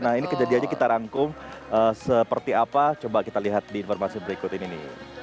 nah ini kejadiannya kita rangkum seperti apa coba kita lihat di informasi berikut ini nih